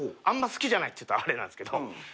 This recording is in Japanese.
あんま好きじゃないっていうとあれなんですけど。